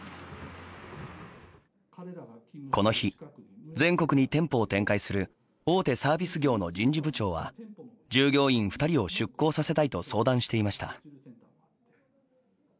この日全国に店舗を展開する大手サービス業の人事部長は従業員２人を出向させたいと相談していました。